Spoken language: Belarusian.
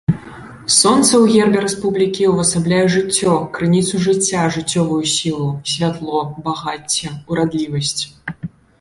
Сонца ў гербе рэспублікі ўвасабляе жыццё, крыніцу жыцця, жыццёвую сілу, святло, багацце, урадлівасць.